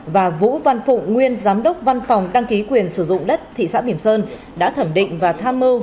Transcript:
và vũ văn phụng nguyên giám đốc văn phòng đăng ký quyền sử dụng đất thị xã biểm sơn đã thẩm định và tham mưu